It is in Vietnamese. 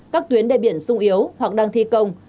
các tuyến đề biển sung yếu hoặc đang thi công